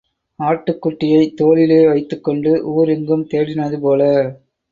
ஆட்டுக்குட்டியைத் தோளிலே வைத்துக்கொண்டு ஊர் எங்கும் தேடினது போல.